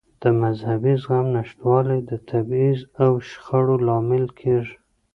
د مذهبي زغم نشتوالی د تبعیض او شخړو لامل کېږي.